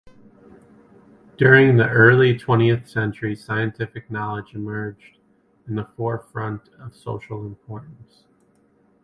During the early twentieth century, scientific knowledge emerged in the forefront of social importance.